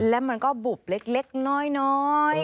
และมันก็บุบเล็กน้อย